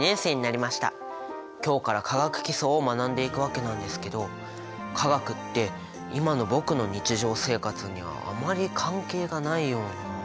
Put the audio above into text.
今日から化学基礎を学んでいくわけなんですけど化学って今の僕の日常生活にはあまり関係がないような。